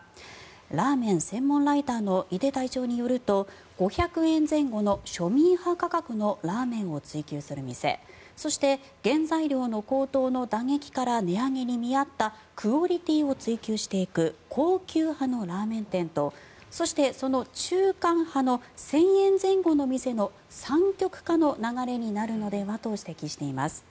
ラーメン専門ライターの井手隊長によると５００円前後の庶民派価格のラーメンを追求する店そして、原材料の高騰の打撃から値上げに見合ったクオリティーを追求していく高級派のラーメン店とそしてその中間派の１０００円前後の店の３極化の流れになるのではと指摘しています。